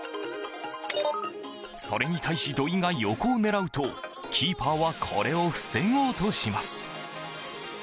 それに対し、土井が横を狙うとキーパーはこれを防ごうとします。